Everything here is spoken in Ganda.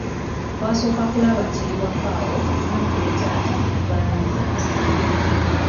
Twasoose kulaba kiri waka awo maama ne taata ne tubaaniriza mu ssanyu.